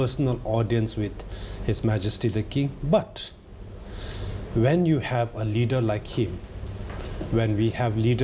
เราไม่มีชีวิตสำหรับคุณรัมนัยไหมแต่เวลาเรามีภารกิจแบบเขา